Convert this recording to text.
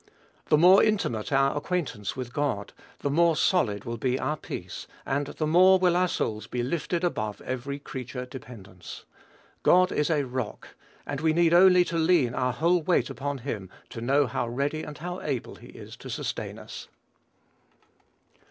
The more intimate our acquaintance with God, the more solid will be our peace, and the more will our souls be lifted above every creature dependence. "God is a rock," and we only need to lean our whole weight upon him to know how ready and how able he is to sustain us.